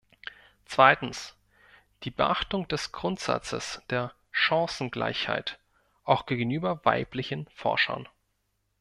Zweitens, die Beachtung des Grundsatzes der Chancengleichheit auch gegenüber weiblichen Forschern.